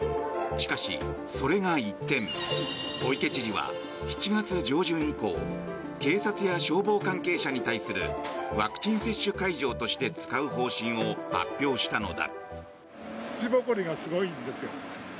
しかし、それが一転小池知事は７月上旬以降警察や消防関係者に対するワクチン接種会場として使う方針を発表したのだ。